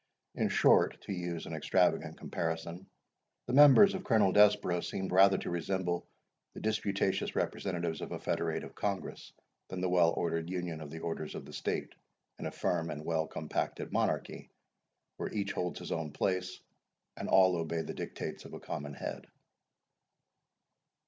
In short, to use an extravagant comparison, the members of Colonel Desborough seemed rather to resemble the disputatious representatives of a federative congress, than the well ordered union of the orders of the state, in a firm and well compacted monarchy, where each holds his own place, and all obey the dictates of a common head.